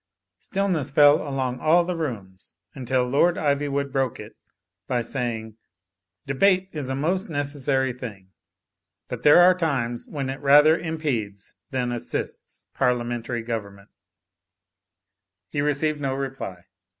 Stillness fell along all the rooms until Lord Ivy wood broke it by saying: "Debate is a most necessary thing; but there are times when it rather impedes than assists parliamen tary government" He received no reply.